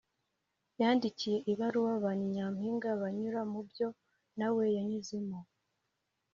yandikiye ibaruwa ba ni nyampinga banyura mu byo na we yanyuzemo